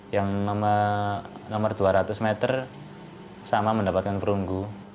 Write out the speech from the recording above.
yang nomor dua ratus meter sama mendapatkan perunggu